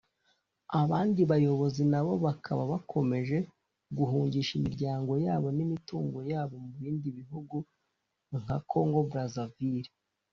abandi bayobozi nabo bakaba bakomeje guhungisha imiryango yabo n’imitungo yabo mu bindi bihugu nka Congo Brazzaville